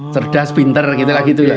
cerdas pinter gitu lah gitu ya